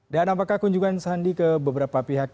dan apakah kunjungan sandi ke beberapa pihak